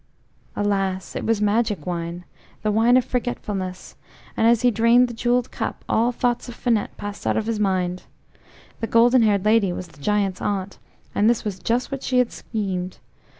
Alas! it was magic wine–the wine of forgetfulness; and as he drained the jewelled cup all thoughts of Finette passed out of his mind. The golden haired lady was the Giant's aunt, and this was just what she had schemed.